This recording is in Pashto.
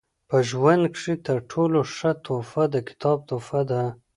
په ژوند کښي تر ټولو ښه تحفه د کتاب تحفه ده.